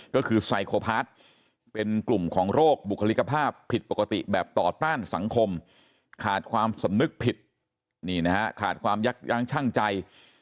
ก็คือไซโคพาร์ทเป็นกลุ่มของโรคบุคลิกภาพผิดปกติแบบต่อต้านสังคมขาดความสำนึกผิดนี่นะฮะขาดความยักยั้งชั่งใจ